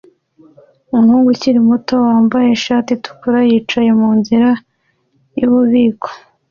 Umuhungu ukiri muto wambaye ishati itukura yicaye munzira yububiko